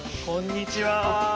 こんにちは。